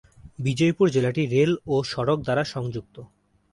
বিজয়পুর জেলাটি রেল ও সড়ক দ্বারা সংযুক্ত।